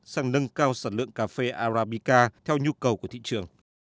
sang nâng cao sản lượng cà phê arabica theo nhu cầu của thị trường